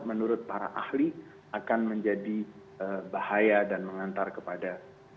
menurut para ahli akan menjadi bahaya dan mengantar kepada